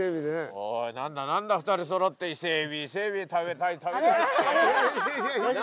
おい何だ何だ２人そろって伊勢エビ伊勢エビ食べたい食べたいって。